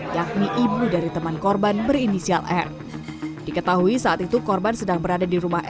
yakni ibu dari teman korban berinisial r diketahui saat itu korban sedang berada di rumah